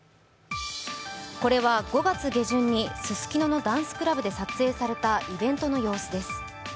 これは５月下旬にススキノのダンスクラブで撮影されたイベントの様子です。